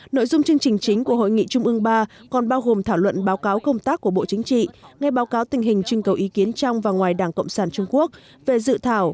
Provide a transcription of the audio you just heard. nội dung chương trình chính của hội nghị trung ương ba còn bao gồm thảo luận báo cáo công tác của bộ chính trị nghe báo cáo tình hình chương cầu ý kiến trong và ngoài đảng cộng sản trung quốc về dự thảo